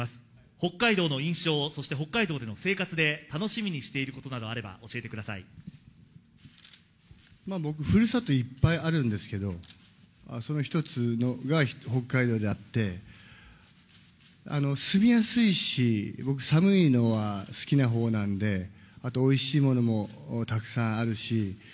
北海道の印象を、そして北海道での生活で楽しみにしていることなどあれば教えてく僕、ふるさといっぱいあるんですけど、その一つが北海道であって、住みやすいし、僕、寒いのは好きなほうなんで、あとおいしいものもたくさんあるし。